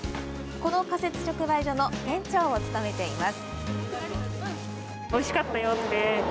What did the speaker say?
この仮設直売所の店長を務めています。